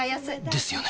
ですよね